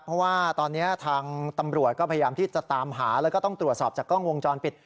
เพราะว่าตอนนี้ทางตำรวจก็พยายามที่จะตามหาแล้วก็ต้องตรวจสอบจากกล้องวงจรปิด